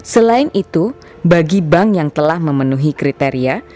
selain itu bagi bank yang telah memenuhi kriteria